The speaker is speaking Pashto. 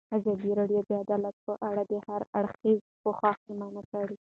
ازادي راډیو د عدالت په اړه د هر اړخیز پوښښ ژمنه کړې.